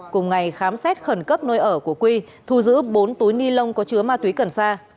cùng ngày khám xét khẩn cấp nơi ở của quy thu giữ bốn túi ni lông có chứa ma túy cần sa